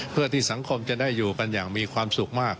เพื่อที่สังคมจะได้อยู่กันอย่างมีความสุขมาก